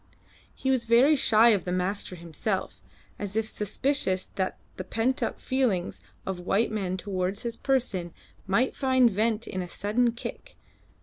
He was very shy of the master himself, as if suspicious that the pent up feelings of the white man towards his person might find vent in a sudden kick.